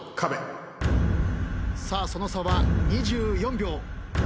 さあその差は２４秒。